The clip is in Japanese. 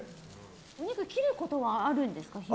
お肉、日ごろ切ることはあるんですか？